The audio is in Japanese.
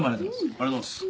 ありがとうございます。